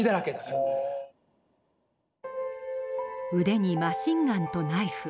腕にマシンガンとナイフ。